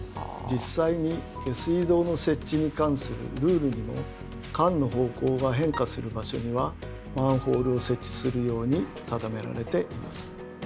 実際に下水道の設置に関するルールにも管の方向が変化する場所にはマンホールを設置するように定められています。